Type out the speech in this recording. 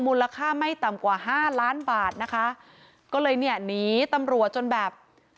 มูลค่าไม่ต่ำกว่าห้าล้านบาทนะคะก็เลยเนี่ยหนีตำรวจจนแบบ